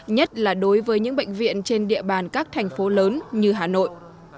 nhất là đối với những bệnh viện trên địa bàn các thành phố lớn như hà nội